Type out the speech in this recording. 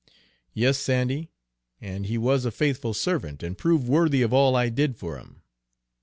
"Yes, Sandy, and he was a faithful servant, and proved worthy of all I did for him."